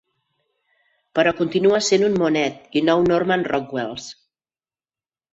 Però continua sent un Monet i nou Norman Rockwells.